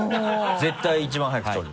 絶対一番速く取る？